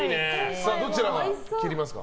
どちらが切りますか？